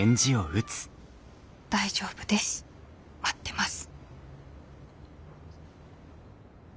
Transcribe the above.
「大丈夫です待ってます」。